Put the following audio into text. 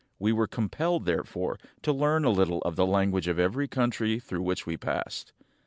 We were compelled, therefore, to learn a little of the language of every country through which we passed.